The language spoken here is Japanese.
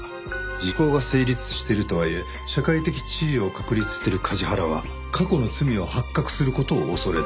時効が成立してるとはいえ社会的地位を確立してる梶原は過去の罪が発覚する事を恐れた。